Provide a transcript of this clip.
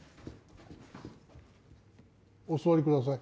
お座りください